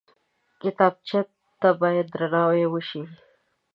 کتابچه ته باید درناوی وشي